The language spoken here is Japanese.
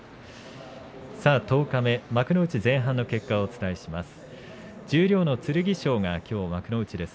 十日目幕内前半の結果をお伝えします。